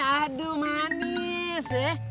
aduh manis ya